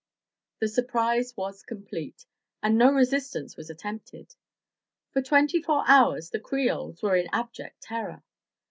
The surprise was complete, and no resistance was attempted. For twenty four hours the Creoles were in abject terror.